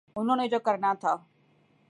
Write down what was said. انہوں نے جو کرنا تھا۔